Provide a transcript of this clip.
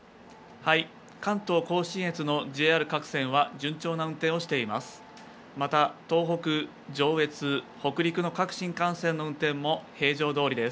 関東甲信越のＪＲ各線は、順調な運転をしています。